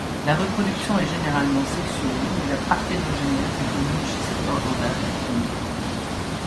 La reproduction est généralement sexuée mais la parthénogénèse est connue chez cet ordre d'arachnide.